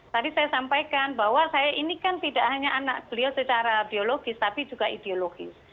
tadi saya sampaikan bahwa saya ini kan tidak hanya anak beliau secara biologis tapi juga ideologis